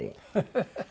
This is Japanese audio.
ハハハハ。